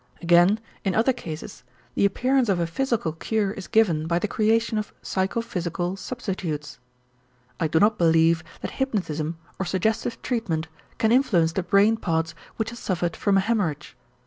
Again in other cases, the appearance of a physical cure is given by the creation of psychophysical substitutes. I do not believe that hypnotism or suggestive treatment can influence the brain parts which have suffered from a hemorrhage.